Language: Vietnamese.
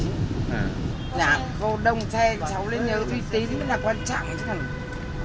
nhà khu đông xe cháu nên nhớ uy tín đó là quan trọng chứ không